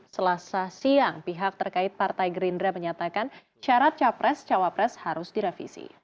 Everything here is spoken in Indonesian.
selasa siang pihak terkait partai gerindra menyatakan syarat capres cawapres harus direvisi